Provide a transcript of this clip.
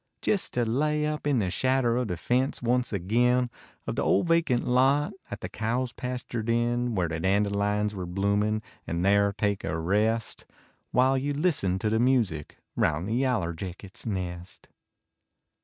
Jest to lay up in the shaclder Of the fence once agin Of the old vacant lot At the cows pastured in. Where the dandelions were bloomin , X there take a rest, While you listen to the music Round the yaller jackets nest.